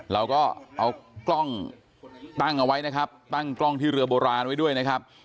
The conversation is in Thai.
เราก็เอากล้องตั้งเอาไว้นะครับตั้งกล้องที่เรือโบราณไว้ด้วยนะครับ